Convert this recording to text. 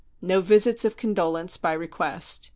No visits of condolence, by request.